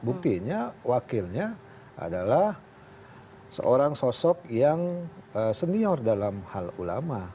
buktinya wakilnya adalah seorang sosok yang senior dalam hal ulama